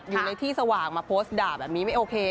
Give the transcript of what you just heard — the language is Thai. อยู่ในที่สว่างมาโพสต์ด่าแบบนี้ไม่โอเค